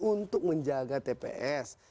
untuk menjaga tps